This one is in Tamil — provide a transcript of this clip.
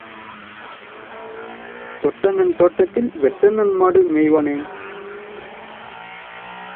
தொட்டண்ணன் தோட்டத்தில் வெட்டண்ணன் மாடு மேய்வானேன்?